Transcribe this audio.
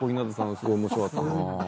すごい面白かったな。